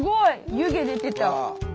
湯気出てた！